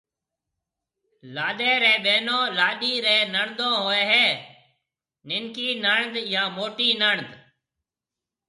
لاڏيَ ريَ ٻيونون لاڏيِ ريَ نَيڙڌُو هوئي هيَ۔ ننڪِي نَيڙڌ يان موٽِي نَيڙڌ